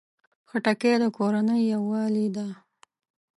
خټکی د کورنۍ یووالي ده.